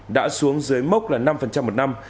đã xuống dưới mốc năm một năm